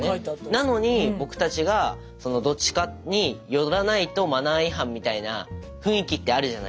なのに僕たちがそのどっちかに寄らないとマナー違反みたいな雰囲気ってあるじゃないですか。